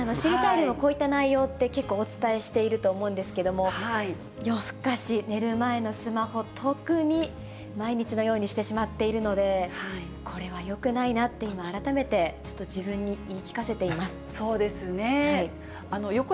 でも、こういった内容って結構、お伝えしていると思うんですけども、夜更かし、寝る前のスマホ、特に毎日のようにしてしまっているので、これはよくないなって今、改めてちょっと自分に言い聞かせています。